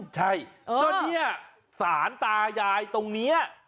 ใช่ก็เนี่ยสารตายายตรงนี้